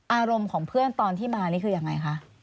อารมณ์ของเพื่อนตอนที่มานี่คือยังไงคะ